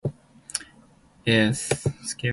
Is "aletheia" then less than truth?